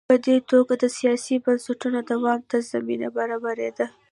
په دې توګه د سیاسي بنسټونو دوام ته زمینه برابرېده.